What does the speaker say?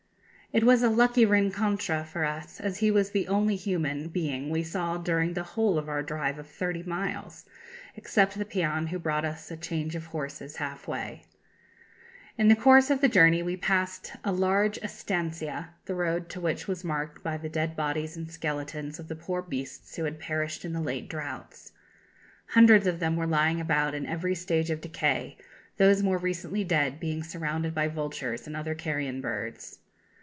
It was a lucky rencontre for us, as he was the only human being we saw during the whole of our drive of thirty miles, except the peon who brought us a change of horses half way. "In the course of the journey we passed a large estancia, the road to which was marked by the dead bodies and skeletons of the poor beasts who had perished in the late droughts. Hundreds of them were lying about in every stage of decay, those more recently dead being surrounded by vultures and other carrion birds.